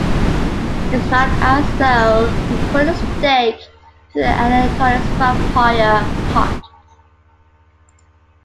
It's not as though we put a stake through Anathallo's vampire heart.